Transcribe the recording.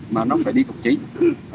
mà nó phải đi cổng chính